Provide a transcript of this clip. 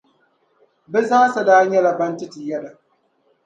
Bɛ zaasa daa nyɛla ban ti ti yɛda.